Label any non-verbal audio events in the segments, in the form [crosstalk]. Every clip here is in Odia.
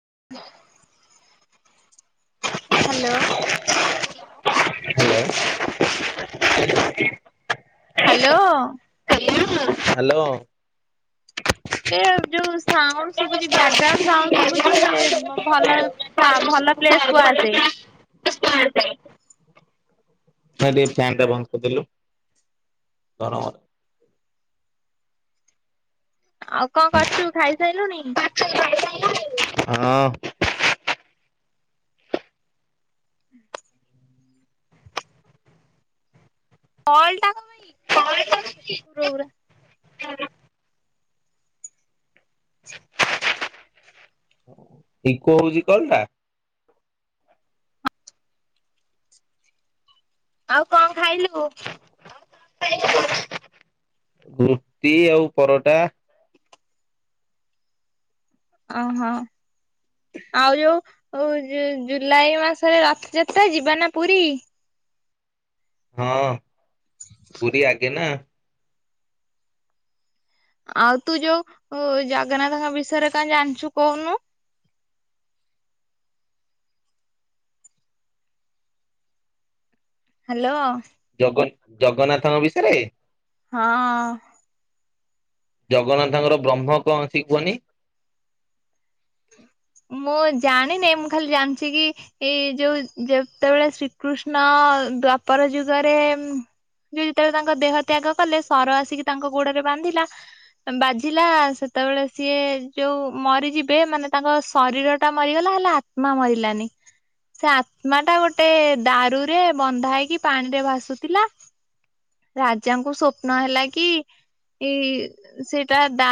[inaudible] Hello. Hello [inaudible] hello. Hello. Dev ଯୋଉ ସାଉଣ୍ଡ ନାଇଁ ଶୁଭୁଚି ବ୍ୟାଗ୍ରାଉଣ୍ଡ ସାଉଣ୍ଡ ଶୁଭୁଚି ଦେ ଭଲ ଭଲ ପ୍ଲେସକୁ ଆସେ। ଟିକେ ମା ଟିକେ ଫ୍ୟାନ୍ ଟା ବନ୍ଦ କରିଦେଲୁ ଗରମର ଆଉ କଁ କରୁଚୁ ଖାଇସାଇଲୁଣି? ହଁ। କଲ୍ ଟା କହୁଚି ଖୁକୁରଉରା। ହୁଁ। ଇକୋ ହୋଉଚି କଲଟା? ଆଉ କଁ ଖାଇଲୁ? ରୁତି ଆଉ ପରଟା। ଅହ ଆଉ ଯୋଉ ଉ ଜୁ ଜୁଲାଇ ମାସରେ ରଥଯାତ୍ରା ଯିବା ନା ପୁରୀ? ହଁ। ପୁରୀ ଆଗେ ନା। ଆଉ ତୁ ଉ ଯୋଉ ଜଗନ୍ନାଥଙ୍କ ବିଷୟରେ କଁ ଜାଣିଚୁ କହୁନୁ। ହାଲୋ। ଜଗ ଜଗନ୍ନାଥଙ୍କ ବିଷୟରେ? ହଁ। ଜଗନ୍ନାଥଙ୍କର ବ୍ରହ୍ମ କଣ ସେ କୁହନି? ମୁଁ ଜାଣିନେଇ ମୁଁ ଖାଲି ଜାଣିଚି କି ଏଇ ଯୋଉ ଯେତେଳେ ଶ୍ରୀକୃଷ୍ଣ ଦ୍ଵାପର ଯୁଗରେ ଉଁ ଯୋଉ ଯେତେଳେ ତାଙ୍କ ଦେହ ତ୍ୟାଗ କଲେ ସର ଆସିକି ତାଙ୍କ ଗୋଡ଼ରେ ବାନ୍ଧିଲା ବାଜିଲା ସେତେବେଳେ ସିଏ ଯୋଉ ମରିଯି ପେ ମାନେ ତାଙ୍କ ଶରୀରଟା ମରିଗଲା ହେଲେ ଆତ୍ମା ମରିଲାନି ସେ ଆତ୍ମାଟା ଗୋଟେ ଦାରୁରେ ବନ୍ଧା ହେଇକି ପାଣିରେ ଭାସୁଥିଲା। ରାଜାଙ୍କୁ ସ୍ୱପ୍ନ ହେଲା କି ଇ ସେଇଟା ଦା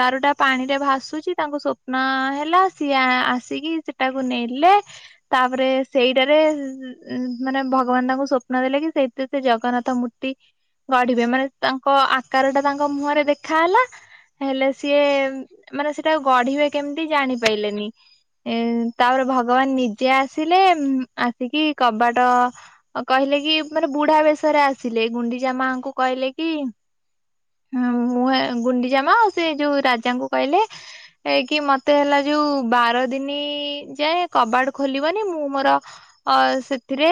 ଦାରୁଟା ପାଣିରେ ଭାସୁଚି ତାଙ୍କୁ ସୋ ନ ହେଲା ସିଏ ଆ ଆସିକି ସେଟାକୁ ନେଲେ ତାପରେ ସେଇଟାରେ ଇ ମାନେ ଭଗବାନ ତାଙ୍କୁ ସ୍ୱପ୍ନ ଦେଲେ କି ସେଇଥିରେ ସେ ଜଗନ୍ନାଥ ମୂର୍ତ୍ତି ଗଢିବେ ମାନେ ତାଙ୍କ ଆକାରଟା ତାଙ୍କ ମୁହଁରେ ଦେଖାହେଲା ହେଲେ ସିଏ ମାନେ ସେଟାକୁ ଗଢିବେ କେମତି ଜାଣିପାଇଲେନି ଏ ତାପରେ ଭଗବାନ ନିଜେ ଆସିଲେ ଉଁ ଆସିକି କବାଟ କହିଲେ କି ମାନେ ବୁଢା ବେଶରେ ଆସିଲେ ଗୁଣ୍ଡିଚା ମାଙ୍କୁ କହିଲେ କି ହୁଁ ମୁଁ ଏ ଗୁଣ୍ଡିଚା ମା ଆଉ ସେ ଯୋଉ ରାଜାଙ୍କୁ କହିଲେ ଏ କି କି ମତେ ହେଲା ଯୋଉ ବାର ଦିନି ଯାଏ କବାଟ ଖୋଲିବନି ମୁଁ ମୋର ଅ ସେଥିରେ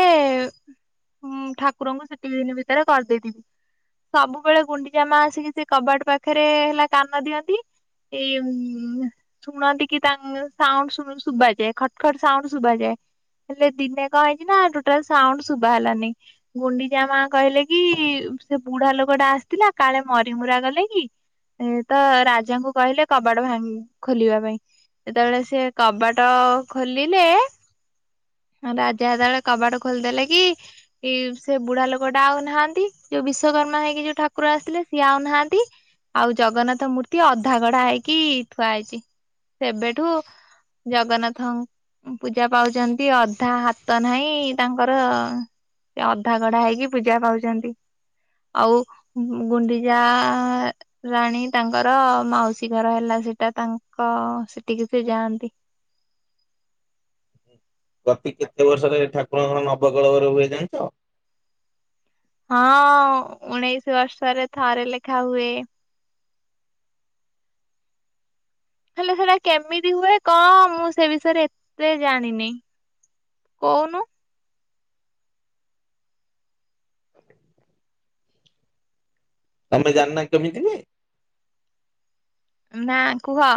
ଉଁ ଠାକୁରଙ୍କୁ ସେତିି ଦିନି ଭିତରେ କରିଦେଇଥିବି। ସବୁବେଳେ ଗୁଣ୍ଡିଚା ମା ଆସିକି ସେ କବାଟ ପାଖରେ ହେଲା କାନ ଦିଅନ୍ତି। ଏଇ ଉଁ ଶୁଣନ୍ତି କି ତାଁ ସାଉଣ୍ଡ ଶୁ ଶୁବାଯାଏ ଖଟ ଖଟ ସାଉଣ୍ଡ ଶୁଭାଯାଏ ହେଲେ ଦିନେ କଁ ହେଇଚି ନାଁ ଟୋଟାଲ ସାଉଣ୍ଡ ଶୁଭା ହେଲାନେଇ ଗୁଣ୍ଡିଚା ମା କହିଲେ କି ସେ ବୁଢା ଲୋକଟା ଆସିଥିଲା କାଳେ ମରିମୁରା ଗଲେ କି ଇ ତ ରାଜାଙ୍କୁ କହିଲେ କବାଟ ଭାଙ୍ଗି ଖୋଲିବା ପାଇଁ ଯେତଳେ ସିଏ କବାଟ ଖୋଲିଲେ ରାଜା ହେତଳେ କବାଟ ଖୋଲିଦେଲେ କି ଇ ସେ ବୁଢା ଲୋକଟା ଆଉ ନାହାନ୍ତି ଯୋଉ ବିଶ୍ଵକର୍ମା ହେଇକି ଯୋଉ ଠାକୁର ଆସିଥିଲେ ସିଏ ଆଉ ନାହାନ୍ତି ଆଉ ଜଗନ୍ନାଥ ମୂର୍ତ୍ତି ଅଧା ଗଢ଼ା ହେଇକି ଖୁଆହେଇଚି। ସେବେଠୁ ଜଗନ୍ନାଥ ପୂଜା ପାଉଚନ୍ତି ଅଧା ହାତ ନାହିଁ ତାଙ୍କର ଅଧା ଗଢା ହେଇକି ପୂଜା ପାଉଚନ୍ତି। ଆଉ ଗୁଣ୍ଡିଚା ଆ-ରାଣୀ ତାଙ୍କର ମାଉସୀ ଘର ହେଲା ସେ ତା ତାଙ୍କ ସେଟିକି ସେ ଯାଆନ୍ତି। ହୁଁ। ପ୍ରତି କେତେ ବର୍ଷରେ ଠାକୁରଙ୍କ ନ ବପ କଳେବର ହୁଏ ଜାଣିଚ? ହଁ ଉଣେଇଶି ବର୍ଷରେ ଥରେ ଲେଖା ହୁଏ। ହେଲେ ସେଟା କେମିତି ହୁଏ କଁ ମୁଁ ସେ ବିଷୟରେ ଏତେ ଜାଣିନି କୋଉନୁ। ତମେ ଜଣିନା କେମିତି ହୁଏ? ନାଁ କୁହ।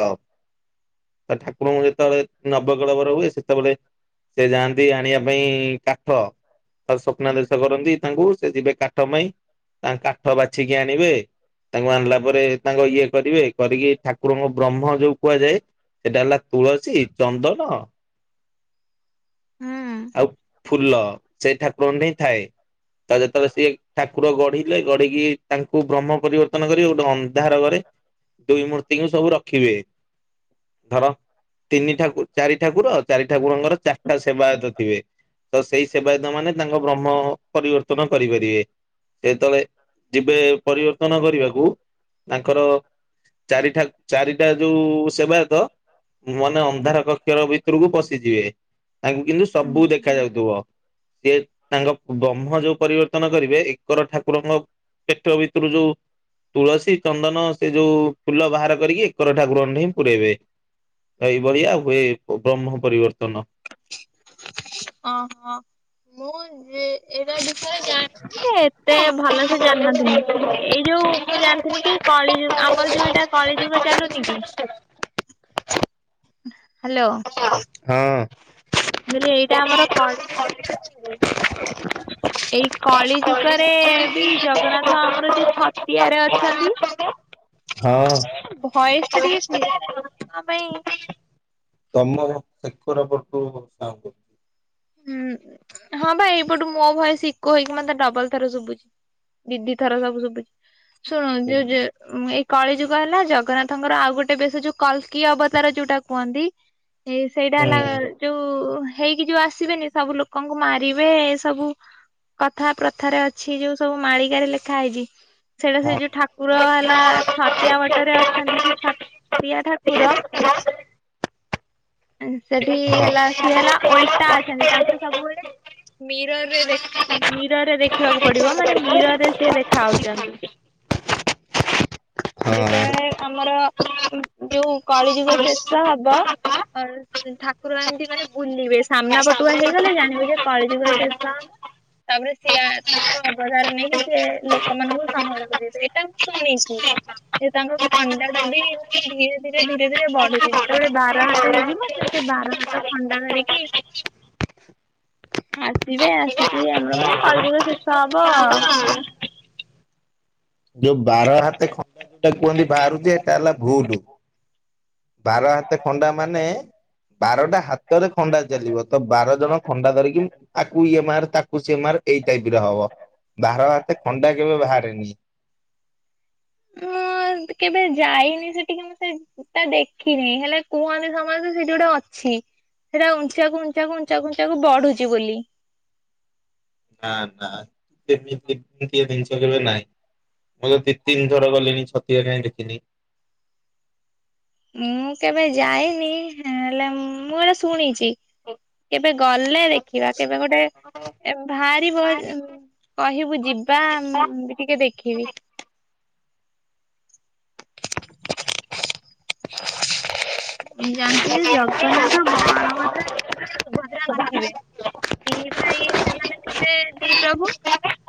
ହଉ ତ ଠାକୁରଙ୍କୁ ଯେତୋଳେ ନବକଳେବର ହୁଏ ସେତବେଳେ ସେ ଯାଆନ୍ତି ଆଣିବା ପାଇଁ କାଠ। ତାକୁ ସ୍ୱପ୍ନା ଦେଶ କରନ୍ତି ତାଙ୍କୁ ସେ ଯିବେ କାଠ ପାଇଁ ତାଙ୍କ କାଠ ବାଛିକି ଆଣିବେ ତାଙ୍କୁ ଆଣିଲା ପରେ ତାଙ୍କ ଇଏ କରିବେ କରିକି ଠାକୁରଙ୍କ ବ୍ରହ୍ମ ଯୋଉ କୁହାଯାଏ ସେଟା ହେଲା ତୁଳସୀ ଚନ୍ଦନ ହୁଁ। ଆଉ ଫୁଲ ସେ ଠାକୁରଙ୍କଠେଇଁ ଥାଏ ତା ଯେତଳେ ସିଏ ଠାକୁର ଗଢିଲେ ଗଢିକି ତାଙ୍କୁ ବ୍ରହ୍ମ ପରିବର୍ତ୍ତନ କରିବ ତ ଅନ୍ଧାର ଘରେ ଦୁଇ ମୂର୍ତ୍ତିଙ୍କୁ ସବୁ ରଖିବେ ଧର ତିନି ଠାକୁ ଚାରି ଠାକୁର ଆଉ ଚାରି ଠାକୁରଙ୍କର ଚାରିଟା ସେବାୟତ ଥିବେ ତ ସେଇ ସେବାୟତ ମାନେ ତାଙ୍କ ବ୍ରହ୍ମ ପରିବର୍ତ୍ତନ କରିପାରିବେ ସେତେବେଳେ ଯିବେ ପରିବର୍ତ୍ତନ କରିବାକୁ ତାଙ୍କର ଚାରିଟା ଚାରିଟା ଯୋଉ ସେବାୟତ ମାନେ ଅନ୍ଧାର କକ୍ଷର ଭିତରକୁ ପଶିଯିବେ ତାଙ୍କୁ କିନ୍ତୁ ସବୁ ଦେଖାଯାଉଥିବ ସେ ତାଙ୍କ ବ୍ରହ୍ମ ଯୋଉ ପରିବର୍ତ୍ତନ କରିବେ ଏକର ଠାକୁରଙ୍କ ପେଟ ଭିତରୁ ତୁଳସୀ ଚନ୍ଦନ ସେ ଯୋଉ ଫୁଲ ବାହାର କରିକି ର ଠାକୁର ହିଁ ପୁରାଇବେ ଏଇଭଳିଆ ଆଉ ହୁଏ ବ୍ରହ୍ମ ପରିବର୍ତ୍ତନ ଓହୋ ମୁଁ ଯେ ଏଇଟା ବିଷୟ ରେ ଜାଣିଥିଲି ଯେ ଏତେ ଭଲ ସେ ଜାଣିନଥିନି ଏଇ ଯୋଉ ମୁଁ ଜାଣିିଥିନି କି କଳି ଯୁଗ ଆମର ଯୋଉ ଏଇଟା କଳି ଯୁଗ ଚାଲୁନି କି? [unintelligible] ହାଲୋ। ହଁ। ବୋଇଲେ ଏଇଟା ଆମର କଳି ଏଇ କଳି ଯୁଗରେ ବି ଜଗନ୍ନାଥ ଆମର ଯୋଉ ଛତିଆରେ ଅଛନ୍ତି। ହଁ। ଭଏସ ଟା ଟିକେ କ୍ଲିଅର ଆସୁନି କଣ ପାଇଁ ତମ ସେ ହଉ ହଉ ସ ହୁଁ ହଁ ଭାଇ ଏଇପଟୁ ମୋ ଭଏସ୍ ଇକୋ ହେଇକି ମତେ ଡବଲ ଥର ଶୁଭୁଛି ଦିଦି ଥର ସବୁ ଶୁଭୁଛି ଶୁଣୁ ଯୋଉ ଏଇ କଳି ଯୁଗ ହେଲା ଜଗନ୍ନାଥଙ୍କର ଆଉ ଗୋଟେ ବେଶ ଯୋଉ କଳ୍କୀ ଅବତାର ଯୋଉଟା କୁହନ୍ତି? ଏଇ ସେଇଟା ହେଲା ଯୋଉ ହେଇକି ଯୋଉ ଆସେ ଆସିବେନି ସବୁ ଲୋକଙ୍କୁ ମାରିବେ ଏ ସବୁ କଥା ପ୍ରଥାରେ ଅଛି ଯୋଉ ସବୁ ମାଳିକାରେ ଲେଖା ହେଇଛି। ସେଇଟା ସେ ଯୋଉ ଠାକୁର ହେଲା ଛତିଆ ବଟରେ ଅଛନ୍ତି ସେ ଛତିଆ ଠାକୁର ହୁଁ। ସେଠି ହେଲା ସିଏ ହେଲା ଓ ଓଲଟା ଅଛନ୍ତି ତାଙ୍କୁ ସବୁବେଳେ ମିରରେ ମିରରେ ଦେଖିବାକୁ ପଡିବ ମାନେ ମିରରେ ସିଏ ଦେଖା ଯାଉଛନ୍ତି ଯେତେବେଳେ ଆମର ଯୋଉ କଳିଯୁଗ ଶେଷ ହବ ଠାକୁର ଏମିତି ମାନେ ବୁଲିବେ ସାମ୍ନା ପଟୁଆ ହେଇଗଲେ ଜାଣିବ ଯେ କଳିଯୁଗ ଶେଷ ହେବ ତାପରେ ସିଏ ତାଙ୍କ ଅବତାର ନେଇକି ସିଏ ଲୋକମାନଙ୍କୁ ସଂଗ୍ରହ କରିବେ ଏଇଟା ମୁଁ ଶୁଣିଛି ଯେ ତାଙ୍କ ଖଣ୍ଡା ଟା ବି ମାନେ ଧୀରେ ଧୀରେ ଧୀରେ ଧୀରେ ବଢୁଛି ଯେତେବେଳେ ବାର ହାତ ହେଇଯିବ ସେ ବାର ହାତ ଖଣ୍ଡା ଧରିକି ଆସିବେ ଆସିକି ଆମର ମାନେ କଳିଯୁଗ ଶେଷ ହବ ଆଉ। ହଁ। ଯୋଉ ବାର ହାତ ଖଣ୍ଡା ଯୋଉଟା କୁହନ୍ତି ବାହାରୁଛି ସେଟା ହେଲା ଭୁଲ। ବାର ହାତେ ଖଣ୍ଡା ମାନେ ବାରଟା ହାତରେ ଖଣ୍ଡା ଚାଲିବ ତ ବାର ଜଣ ଖଣ୍ଡା ଧରିକି ଆକୁ ଇଏ ମାର ତାକୁ ସିଏ ମାର ଏଇ ଟାଇପ ରେ ହବ ବାର ହାତ ଖଣ୍ଡା କେବେ ବାହାରେନି। ହଁ କେବେ ଯାଇନି ସେଠିକି ମୁଁ ସେ ତା ଦେଖିନି ହେଲେ କୁହନ୍ତି ସମସ୍ତେ ସେଠି ଗୋଟେ ଅଛି ସେଟା ଉଞ୍ଚାକୁ ଉଞ୍ଚାକୁ ଉଞ୍ଚାକୁ ଉଞ୍ଚାକୁ ବଢୁଛି ବୋଲି। ନା ନାମିତି ଏମିତି ଜିନିଷ କେବେ ନାହିଁ ମୁଁ ଦି ତିନ ଥର ଗଲିଣି ଛତିଆ କାହିଁ ଦେଖିନି। ମୁଁ କେବେ ଯାଇନି ହେଲେ ମୁଁ ଏଟା ଶୁଣିଛି କେବେ ଗଲେ ଦେଖିବା, କେବେ ଗୋଟେ ବାହାରିବ କହିବୁ ଯିବା ମୁଁ ବି ଟିକେ ଦେଖିବି। [unintelligible] ମୁଁ ଜାଣିଥିଲି ଜଗନ୍ନାଥ, ବଳଭଦ୍ର ସେଠି ସୁଭଦ୍ରା ନଥିବେ। ଦି ଭାଇ ସେମାନେ ଥିବେ ଦି ପ୍ରଭୁ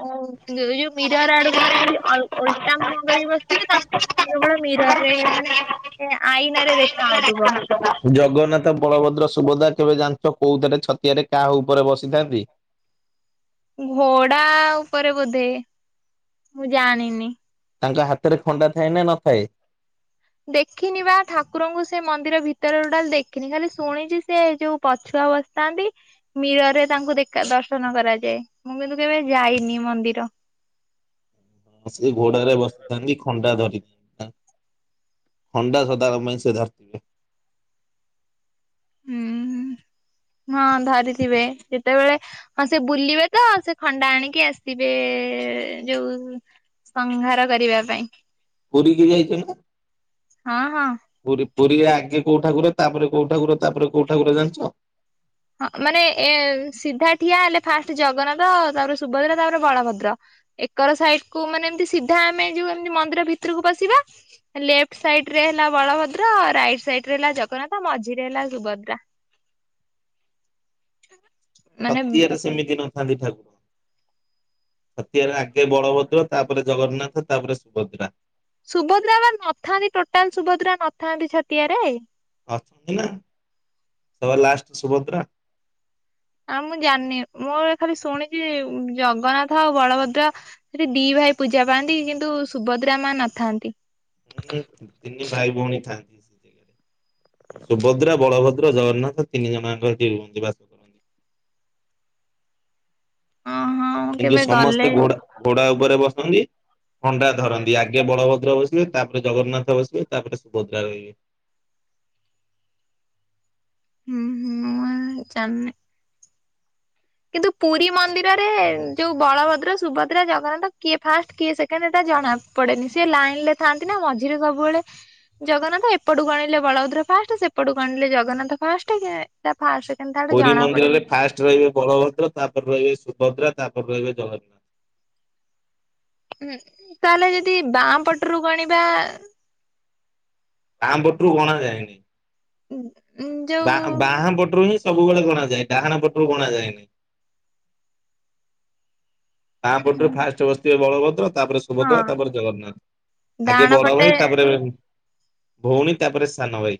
ଆ ଯୋଉ ମିରର୍ ଆଡକୁ ମାନେ ଏମିତି ଓଲଟା ମୁହଁ କରିକି ବସିଥିବେ ତାଙ୍କ ମୁହଁ କେବଳ ମିରର୍ ରେ ମାନେ ଏ ଆଇନା ରେ ଦେଖ ଜଗନ୍ନାଥ, ବଳଭଦ୍ର, ସୁଭଦାକ୍ କେବେ ଜାଣିଚ କୋଉଥିରେ ଛତିଆରେ କାହା ଉପରେ ବସିଥାନ୍ତି? ଘୋଡା ଉପରେ ବୋଧେ ମୁଁ ଜାଣିନି। ତାଙ୍କ ହାତରେ ଖଣ୍ଡା ଥାଏ ନା ନଥାଏ? ଦେଖିନି ବା ଠାକୁରଙ୍କୁ ସେ ମନ୍ଦିର ଭିତର ଟୋଟାଲ ଦେଖିନି ଖାଲି ଶୁଣିଛି ସେ ଯୋଉ ପଛୁଆ ବସିଥାନ୍ତି ମୀରର୍ ରେ ତାଙ୍କୁ ଦେଖା ଦର୍ଶନ କରାଯାଏ। ମୁଁ କିନ୍ତୁ କେବେ ଯାଇନି ମନ୍ଦିର। ହଁ ସେ ଘୋଡରେ ବସିଥାନ୍ତି ଖଣ୍ଡା ଧରିକି। ଆ ଖଣ୍ଡା ସଦାବେଳ ପାଇଁ ସେ ଧରିଥିବେ। ହୁଁ ହୁଁ ହଁ ଧରିଥିବେ ଯେତେବେଳେ ହଁ ସେ ବୁଲିବେ ତ ସେ ଖଣ୍ଡା ଆଣିକି ଆସିବେ ଯୋଉ ସଂଘାର କରିବା ପାଇଁ। ପୁରୀ କି ଯାଇଛ ନା? ହଁ ହଁ। ପୁରୀ ପୁରୀ ଆଗେ କୋଉ ଠାକୁର, ତାପରେ କୋଉ ଠାକୁର ତାପରେ, କୋଉ ଠାକୁର ଜାଣିଚ? ହଁ ମାନେ ଏ ସିଧା ଠିଆ ହେଲେ ଫାଷ୍ଟ ଜଗନ୍ନାଥ, ତାପରେ ସୁଭଦ୍ରା, ତାପରେ ବଳଭଦ୍ର, ଏକର ସାଇଡ୍ କୁ ମାନେ ଏମତି ସିଧା ଆମେ ଯୋଉ ଏମତି ମନ୍ଦିର ଭିତରକୁ ପସିବା ଲେଫ୍ଟ ସାଇଡ୍ ରେ ହେଲା ବଳଭଦ୍ର ରାଇଟ ସାଇଡ୍ ରେ ହେଲା ଜଗନ୍ନାଥ ମଝିରେ ହେଲା ସୁଭଦ୍ରା। [unintelligible] ଛତିଆରେ ସେମିତି ନଥାନ୍ତି ଠାକୁ ଛତିଆରେ ଆଗେ ବଳଭଦ୍ର, ତାପରେ ଜଗନ୍ନାଥ, ତାପରେ ସୁଭଦ୍ରା। ସୁଭଦ୍ରା ବା ନଥାନ୍ତି ଟୋଟାଲ ସୁଭଦ୍ରା ନଥାନ୍ତି ଛାତିଆରେ? ଅଛନ୍ତି ନା ସଭା ଲାଷ୍ଟରେ ସୁଭଦ୍ରା। ଆଉ ମୁଁ ଜାଣିନି ମୁଁ ଖାଲି ଶୁଣିଛି ଜଗନ୍ନାଥ ଆଉ ବଳଭଦ୍ର ସେଠି ଦି ଭାଇ ପୂଜା ପାଆନ୍ତି କିନ୍ତୁ ସୁଭଦ୍ରା ମା ନଥାନ୍ତି। ହୁଁ ତିନି ଭାଇ ଭଉଣୀ ଥାଆନ୍ତି ସେ ଜାଗାରେ ସୁଭଦ୍ରା, ବଳଭଦ୍ର, ଜଗନ୍ନାଥ ତିନି ଜଣଯାଙ୍କ ସେଠି ରୁହନ୍ତି ବାସ କରନ୍ତି। ହଁ ହଁ ମୁଁ କିନ୍ତୁ କେବେ ଗଲେ ସମସ୍ତେ ଘୋଡା ଘୋଡା ଉପରେ ବସନ୍ତି ଖଣ୍ଡା ଧରନ୍ତି। ଆଗେ ବଳଭଦ୍ର ବସ ବେ ତାପରେ ଜଗନ୍ନାଥ ବସିବେ, ତାପରେ ସୁଭଦ୍ରା ରହିବେ। ହୁଁ ହୁଁ ମୁଁ ଜାଣିନି। କିନ୍ତୁ ପୁରୀ ମନ୍ଦିରରେ ଯେଉ ବଳଭଦ୍ର, ସୁଭଦ୍ରା, ଜଗନ୍ନାଥ କିଏ ଫାଷ୍ଟ କିଏ ସେକେଣ୍ଡ ଏଟା ଜଣା ପଡେନି ସିଏ ଲାଇନ ଲେ ଥାଆନ୍ତି ନା ମଝିରେ ସବୁବେଳେ ଜଗନ୍ନାଥ ଏପଟୁ ଗଣିଲେ ବଳଭଦ୍ର ଫାଷ୍ଟ ସେପଟୁ ଗଣିଲେ ଜଗନ୍ନାଥ ଫାଷ୍ଟ ସିଏ ତା ଫାଷ୍ଟ ସେକେଣ୍ଡ ଥାର୍ଡ ପୁରୀ ଜଣା ପଡେନି ମନ୍ଦିରରେ ଫାଷ୍ଟ ରହିବେ ବଳଭ ଦ୍ର ତାପରେ ରହିବେ ସୁଭଦ୍ରା, ତାପରେ ରହିବେ ଜଗନ୍ ହୁଁ ତାହେଲେ ଯଦି ବାଁ ପଟରୁ ଗଣିବା ଆମ ପଟରୁ ଗଣା ଯାଏନି। ଯୋଉ ବାହାଁ ବାହାଁ ପଟରୁ ହିଁ ସବୁବେଳେ ଗଣା ଯାଏ ଡାହାଣା ପଟରୁ ଗଣା ଯାଏନି। ବାଁ ପଟରୁ ଫାଷ୍ଟ ବସିିଥିବେ ବଳଭ ତାପରେ ସୁଭଦ୍ରା ହଁ ତାପରେ ଜଗନ୍ନାଥ ଆଗେ ଡାହାଣ ବଡ ପଟେ ଭାଇ ତାପରେ ଭଉଣୀ ତାପରେ ସାନ ଭାଇ।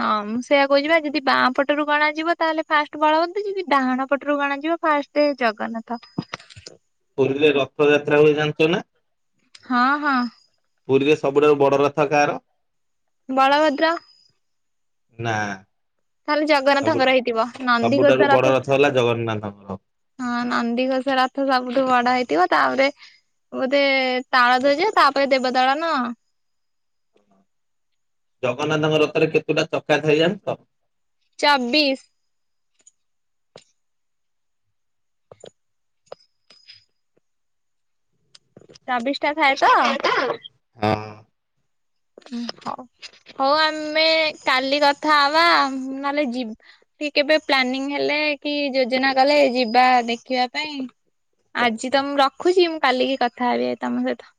ହଁ ମୁଁ ସେଇୟା କହୁଚିବା ଯଦି ବାଁ ପଟରୁ ଗଣାଯିବ ତାହେଲେ ଫାଷ୍ଟ ବଳଭଦ୍ ଯଦି ଡାହାଣ ପଟରୁ ଗଣାଯିବ ଫାଷ୍ଟ ଜଗନ୍ନାଥ। ଚ ନା ହଁ ହଁ। ପୁରୀରେ ସବୁଠାରୁ ବଡ ରଥ କାହାର ବଳଭଦ୍ର ନା ତାହେଲେ ସବୁ ଜଗନ୍ନାଥଙ୍କର ହେଇଥିବ ସବୁଠାରୁ ନନ୍ଦିଘୋଷା ବଡ ରଥ ହେଲା ଜଗନ୍ନାଥଙ୍କର। ହଁ ନନ୍ଦିଘୋଷା ରଥ ସବୁଠୁ ବଡ ହେଇଥିବ ତାପରେ ବୋଧେ ତାଳଧ୍ଵଜ ତାପରେ ଦେବଦଳନ ଜଗନ୍ନାଥଙ୍କ ରଥରେ କେତୁ ଟା ଚକା ଥାଏ ଯାଣିଛ? ଚବିଶ୍ ଚବିଶ ଟା ଥାଏ ତ ହଁ। ହଉ ହଉ ଆମେଁ କାଲି କଥା ହବା ନହେଲେ ଯିବା କି କେବେ ପ୍ଲାନିଂ ହେଲେ କି ଯୋଜନା କଲେ ଯିବା ଦେଖିବା ପାଇଁ ଆଜି ତ ମୁଁ ରଖୁଛି ମୁଁ କାଲିକି କଥା ଥା ରେ ତମ ସହିତ